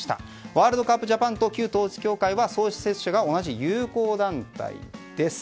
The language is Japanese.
ワールドカープ・ジャパンと旧統一教会は創設者が同じ友好団体です。